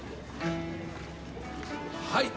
はい。